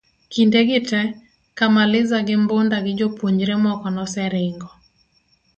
kinde gi te Kamaliza gi Mbunda gi jopuonjre moko noseringo